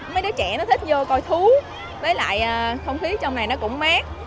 mấy đứa trẻ nó thích vô coi thú với lại không khí trong này nó cũng mát